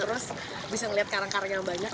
terus bisa melihat karang kareng yang banyak